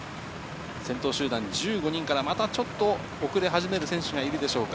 先頭集団１５人から、またちょっと遅れ始める選手がいるでしょうか。